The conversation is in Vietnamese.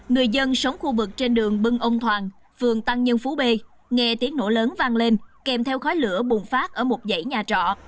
người dân sống khu vực trên đường bưng ông toàn phường tăng nhân phú b nghe tiếng nổ lớn vang lên kèm theo khói lửa bùng phát ở một dãy nhà trọ